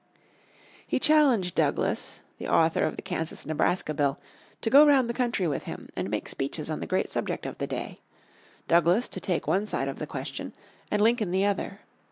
In 1858 he challenged Douglas, the author of the Kansas Nebraska Bill, to go round the country with him and make speeches on the great subject of the day: Douglas to take one side of the question and Lincoln the other.